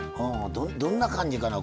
どんな感じかな。